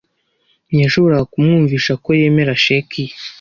Ntiyashoboraga kumwumvisha ko yemera sheki ye.